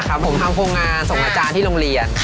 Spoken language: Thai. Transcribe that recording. ผมทำโครงงานส่งอาจารย์ที่โรงเรียน